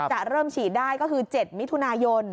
จะเริ่มฉีดได้ก็คือ๗มิถุนายน